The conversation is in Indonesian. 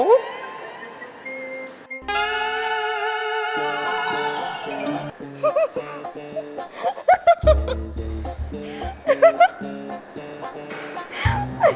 lagi capek mau nangis sih